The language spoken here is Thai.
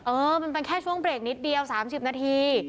เออมันเป็นแค่ช่วงเบรกนิดเดียว๓๐นาที